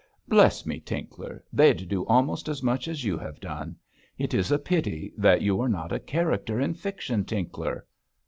Bless me, Tinkler, they'd do almost as much as you have done. It is a pity that you are not a character in fiction, Tinkler.'